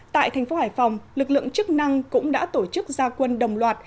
tại thành phố hải phòng lực lượng chức năng cũng đã tổ chức gia quân đồng loạt